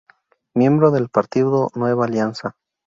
Miembro del Partido Nueva Alianza.